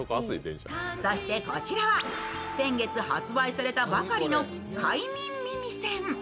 そしてこちらは先月発売されたばかりの快眠耳栓。